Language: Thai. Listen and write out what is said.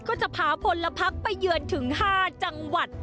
ก็จะพาพลพักไปเยือนถึง๕จังหวัด